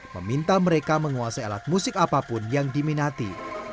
meminta mereka menguasai alat musik apapun yang diminati